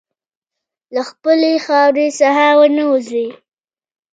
له خپلې خاورې څخه ونه وځې.